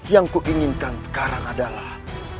yang kuinginkan sekarang adalah